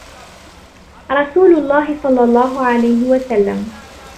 رَسُولُ اللَّهِ صَلَّى اللَّهُ عَلَيْهِ وَسَلَّمَ